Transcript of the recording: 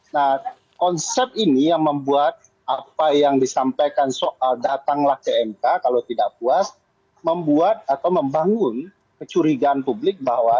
nah konsep ini yang membuat apa yang disampaikan soal datanglah ke mk kalau tidak puas membuat atau membangun kecurigaan publik bahwa